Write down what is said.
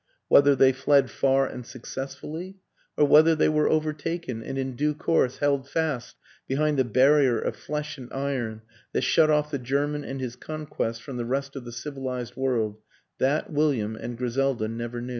Whether they fled far and successfully, or whether they were over taken and in due course held fast behind the bar rier of flesh and iron that shut off the German and his conquests from the rest of the civilized world that William and Griselda never knew.